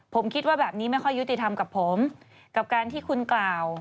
ผมคิดว่าแบบนี้ไม่ค่อยยุติธรรมกับผมกับการที่คุณกล่าว